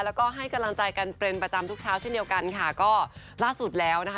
แล้วก็ให้กำลังใจกันเป็นประจำทุกเช้าเช่นเดียวกันค่ะก็ล่าสุดแล้วนะคะ